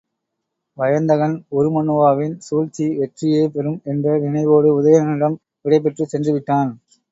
வயந்தகன், உருமண்ணுவாவின் சூழ்ச்சி வெற்றியே பெறும் என்ற நினைவோடு உதயணனிடம் விடைபெற்றுச் சென்றுவிட்டான்.